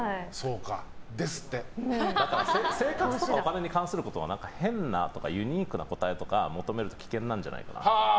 だから生活とかお金に関することは変な、とかユニークな答えとか求めると危険なんじゃないかな。